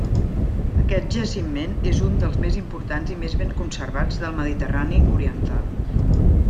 Aquest jaciment és un dels més importants i més ben conservats del Mediterrani oriental.